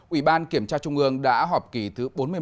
ủy ban kiểm tra trung ương đã họp kỳ thứ bốn mươi một